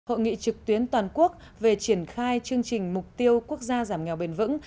hội nghị trực tuyến toàn quốc về triển khai chương trình mục tiêu quốc gia giảm nghèo bền vững